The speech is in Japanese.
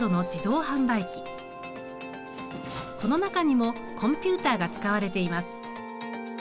この中にもコンピュータが使われています。